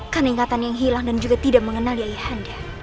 karena ingatan yang hilang dan juga tidak mengenali ayah anda